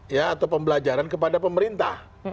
ya atau pembelajaran kepada pemerintah